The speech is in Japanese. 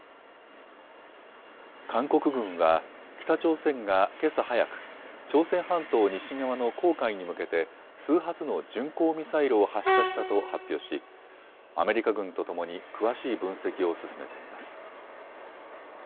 韓国軍は北朝鮮がけさ早く朝鮮半島西側の黄海に向けて数発の巡航ミサイルを発射したと発表しアメリカ軍とともに詳しい分析を進めています。